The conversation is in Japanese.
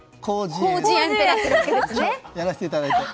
そうやらせていただいて。